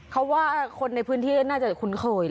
เขาว่าคนในพื้นที่น่าจะคุ้นเคย